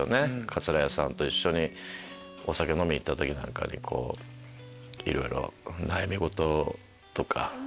かつら屋さんと一緒にお酒飲みに行った時なんかにいろいろ悩み事とか。